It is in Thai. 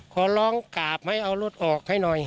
ขอร้องกราบให้เอารถออกให้หน่อย